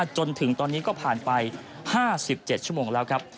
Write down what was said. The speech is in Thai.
จนถึงตอนนี้ก็ผ่านไป๕๗ชั่วโมงแล้วครับ